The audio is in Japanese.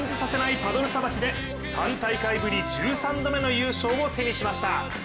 パドルさばきで３大会ぶり１３度目の優勝を手にしました。